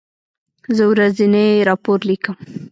زه ورځنی راپور لیکم.